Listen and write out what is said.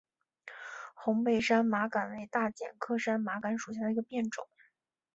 红背山麻杆为大戟科山麻杆属下的一个变种。